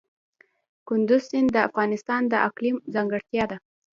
کندز سیند د افغانستان د اقلیم ځانګړتیا ده.